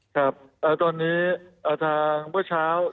ครับตอนนี้ทางเมื่อเช้า